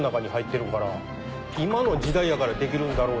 今の時代やからできるんだろうなって。